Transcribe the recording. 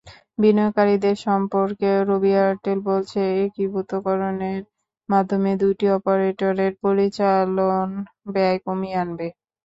বিনিয়োগকারীদের সম্পর্কে রবি-এয়ারটেল বলছে, একীভূতকরণের মাধ্যমে দুটি অপারেটরের পরিচালন ব্যয় কমিয়ে আনবে।